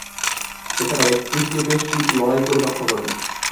এছাড়াও তৃতীয় টেস্টটি লড়াই করে রক্ষা করেন।